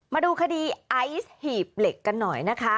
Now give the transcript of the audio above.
มาดูคดีไอซ์หีบเหล็กกันหน่อยนะคะ